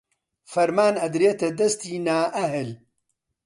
فەرمان ئەدرێتە دەستی نائەهل